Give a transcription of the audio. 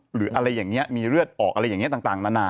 หรืออะไรอย่างนี้มีเลือดออกอะไรอย่างนี้ต่างนานา